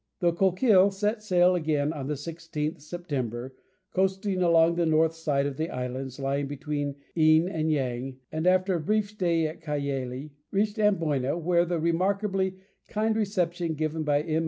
The Coquille set sail again on the 16th September, coasting along the north side of the islands lying between Een and Yang, and after a brief stay at Cayeli reached Amboyna, where the remarkably kind reception given by M.